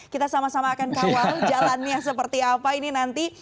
kita sama sama akan kawal jalannya seperti apa ini nanti